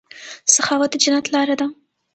سخاوت د جنت لاره ده.